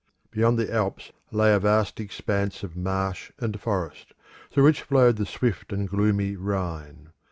Beyond the Alps lay a vast expanse of marsh and forest, through which flowed the swift and gloomy Rhine.